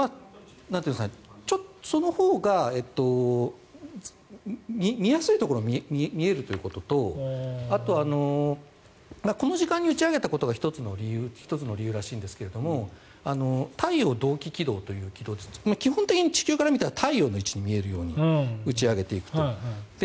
そのほうが見やすいところが見えるということとあとこの時間に打ち上げたことが１つの理由らしいんですが太陽同期軌道という軌道で基本的に地球から見たら太陽の位置に見えるように打ち上げていくと。